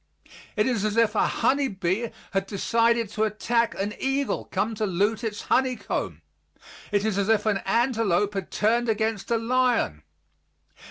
It is as if a honey bee had decided to attack an eagle come to loot its honeycomb. It is as if an antelope had turned against a lion.